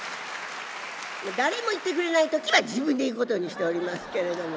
誰も言ってくれない時は自分で言うことにしておりますけれども。